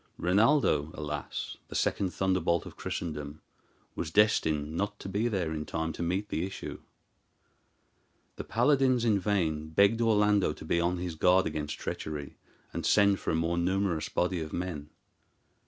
Rinaldo, alas! the second thunderbolt of Christendom, was destined not to be there in time to meet the issue. The paladins in vain begged Orlando to be on his guard against treachery, and send for a more numerous body of men.